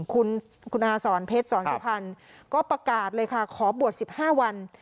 คุณคุณอาสรเพชรสองสี่พันธุ์ก็ประกาศเลยค่ะขอบวชสิบห้าวัน